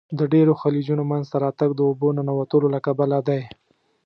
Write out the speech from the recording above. د ډیرو خلیجونو منځته راتګ د اوبو ننوتلو له کبله دی.